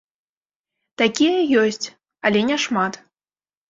Такія ёсць, але няшмат.